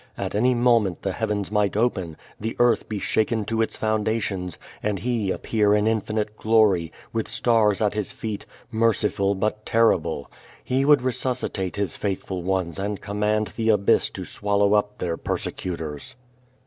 At any moment the heavens might open, the earth be shaken to its foundations, and He appear in infinite glor)', with stars at His feet, merciful but terrible. He would resuscitate His faithful ones and command the abyss to swallow up their persecutors.